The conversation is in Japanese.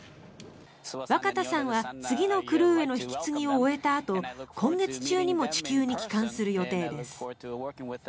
若田さんは次のクルーへの引き継ぎを終えたあと今月中にも地球に帰還する予定です。